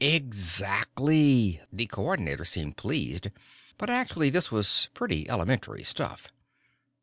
"Exactly!" The Coordinator seemed pleased, but, actually, this was pretty elementary stuff.